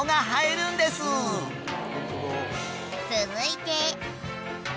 ［続いて］